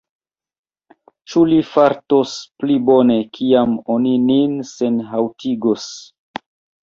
Ĉu li fartos pli bone, kiam oni nin senhaŭtigos?